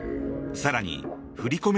更に、振り込め